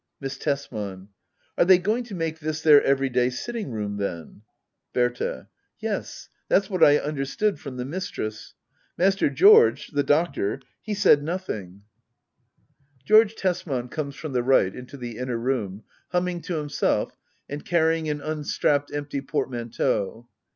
Miss Tesman. Are they going to make this their everyday sitting room then ? Berta. Yes, that'swhat I understood — ^firom the mistress. Master George — ^the doctor — ^he said nothing. Digitized by Google 8 HBDDA OABLER. [aCT I. George Tesman comes from the right into the inner room, humming to himself, and carrying an un strapped empty portmanteau.